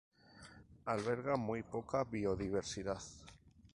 Alberga muy poca biodiversidad.